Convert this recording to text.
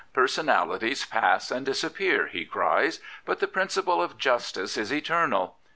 Personalities pass and disappear/' he cries, " but the principle of justice is eternal.